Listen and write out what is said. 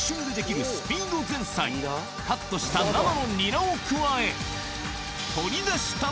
カットした生のニラを加え何？